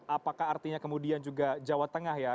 apakah artinya kemudian juga jawa tengah ya